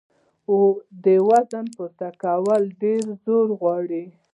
د وزن پورته کول ډېر زور غواړي.